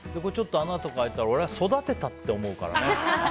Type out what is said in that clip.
穴とか開いたら俺は育てたって思うからね。